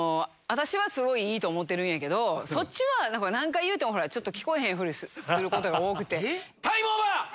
私はすごいいいと思ってるんやけどそっちは何回言うてもほらちょっと聞こえへんふりすることが多くて。